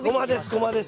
ゴマです。